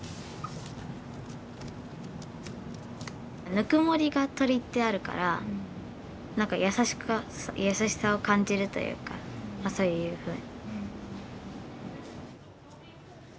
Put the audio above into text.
ぬくもりが鳥ってあるから何か優しさを感じるというかまあそういうふうに。